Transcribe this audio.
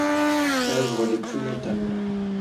Œuvres les plus notables.